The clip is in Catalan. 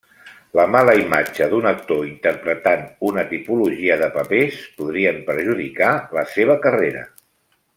La mala imatge d’un actor interpretant una tipologia de papers podrien perjudicar la seva carrera.